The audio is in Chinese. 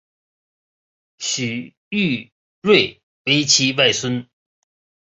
许育瑞为其外孙。